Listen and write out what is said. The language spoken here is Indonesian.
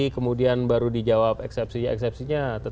kemudian baru dijawab eksepsi eksepsinya